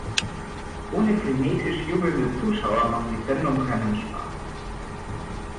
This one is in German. Ohne frenetisch jubelnde Zuschauer macht die Sendung keinen Spaß.